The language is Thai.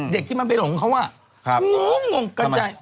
เด็กที่มาเป็นของเขาว่า